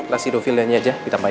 laksidovillainya saja ditambahin